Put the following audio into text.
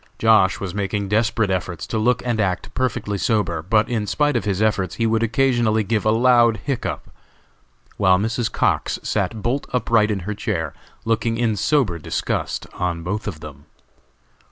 Josh. was making desperate efforts to look and act perfectly sober, but in spite of his efforts he would occasionally give a loud hiccough, while Mrs. Cox sat bolt upright in her chair, looking in sober disgust on both of them.